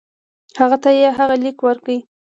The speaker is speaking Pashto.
هغه ته یې هغه لیک ورکړ.